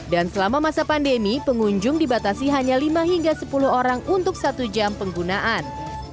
dan selama masa pandemi pengunjung dibatasi hanya lima hingga sepuluh orang untuk satu jam penggunaan